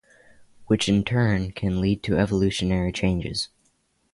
Which in turn can lead to evolutionary changes.